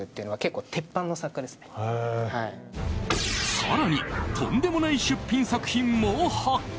更に、とんでもない出品作品も発見。